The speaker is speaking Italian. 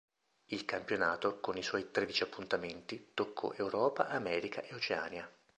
Il campionato, con i suoi tredici appuntamenti, toccò Europa, America e Oceania.